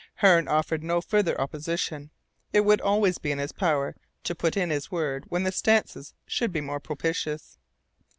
Hearne offered no farther opposition; it would always be in his power to put in his word when the circumstances should be more propitious.